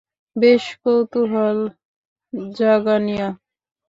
বেশ কৌতূহল জাগানিয়া।